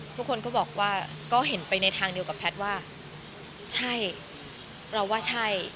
ทุกคนก็บอกว่าก็เห็นไปในทางเดียวกับแพทย์ว่าใช่เราว่าใช่